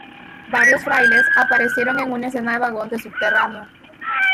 Varios frailes aparecieron en una escena de vagón de subterráneo.